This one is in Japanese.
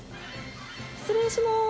失礼します。